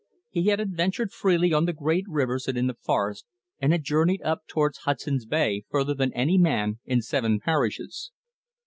He had adventured freely on the great rivers and in the forests, and had journeyed up towards Hudson's Bay farther than any man in seven parishes.